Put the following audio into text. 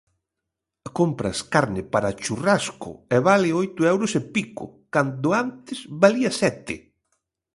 Compras carne para churrasco e vale oito euros e pico, cando antes valía sete.